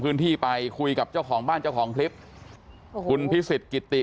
พื้นที่ไปคุยกับเจ้าของบ้านเจ้าของคลิปคุณพิสิทธิกิติ